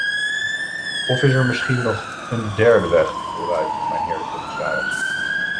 Of is er misschien nog een derde weg vooruit, mijnheer de commissaris?